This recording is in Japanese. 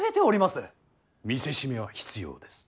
見せしめは必要です。